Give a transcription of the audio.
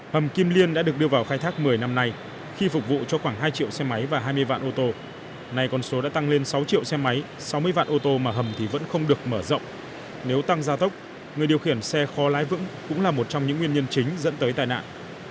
hầm kim liên đã được đưa vào khai thác một mươi năm nay khi phục vụ cho khoảng hai triệu xe máy và hai mươi vạn ô tô này con số đã tăng lên sáu triệu xe máy sáu mươi vạn ô tô mà hầm thì vẫn không được mở rộng nếu tăng gia tốc người điều khiển xe kho lái vững cũng là một trong những nguyên nhân chính dẫn tới tai nạn